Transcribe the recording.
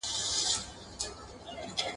له منګولو د پړانګانو د زمریانو ..